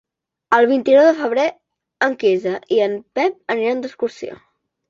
El vint-i-nou de febrer en Quirze i en Pep aniran d'excursió.